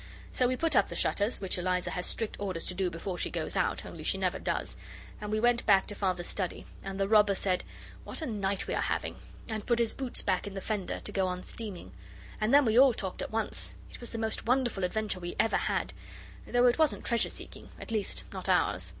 So we put up the shutters, which Eliza has strict orders to do before she goes out, only she never does, and we went back to Father's study, and the robber said, 'What a night we are having!' and put his boots back in the fender to go on steaming, and then we all talked at once. It was the most wonderful adventure we ever had, though it wasn't treasure seeking at least not ours.